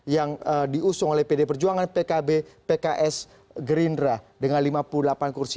yang diusung oleh pd perjuangan pkb pks gerindra dengan lima puluh delapan kursi